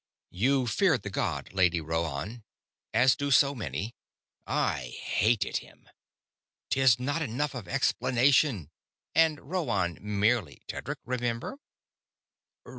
"You feared the god, Lady Rhoann, as do so many. I hated him." "'Tis not enough of explanation. And 'Rhoann' merely, Tedric, remember?"